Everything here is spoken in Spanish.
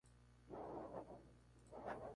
Es hijo de Lawrence Casey y Mary O'Neill.